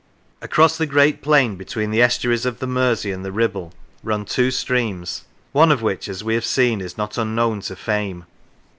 Across the great plain between the estuaries of the Mersey and the Kibble run two streams, one of which, as we have seen, is not unknown to fame.